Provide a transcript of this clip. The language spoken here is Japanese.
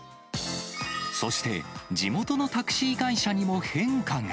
そして、地元のタクシー会社にも変化が。